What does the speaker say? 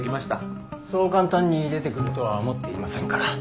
そう簡単に出てくるとは思っていませんから。